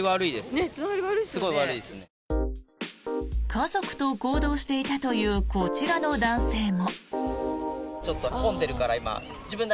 家族と行動していたというこちらの男性も。